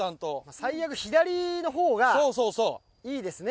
最悪左のほうがいいですね